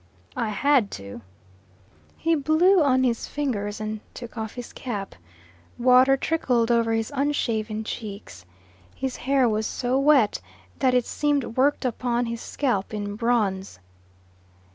"I had to." He blew on his fingers and took off his cap. Water trickled over his unshaven cheeks. His hair was so wet that it seemed worked upon his scalp in bronze.